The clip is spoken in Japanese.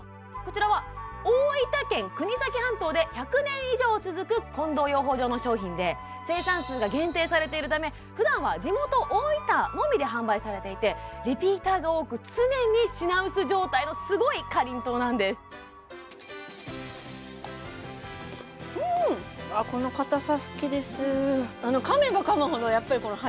こちらは大分県国東半島で１００年以上続く近藤養蜂場の商品で生産数が限定されているためふだんは地元大分のみで販売されていてリピーターが多く常に品薄状態のすごいかりんとうなんですうんあっ